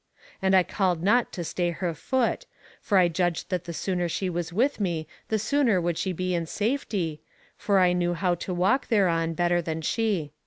And I called not to stay her foot, for I judged that the sooner she was with me, the sooner would she be in safety, for I knew how to walk thereon better than she.